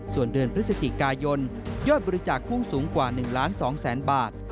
ส่วนเดือนพฤศจิกายนยอดบริจาคพุ่งสูงกว่า๑ล้าน๒แสนบาท